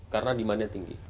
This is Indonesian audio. karena demandnya tinggi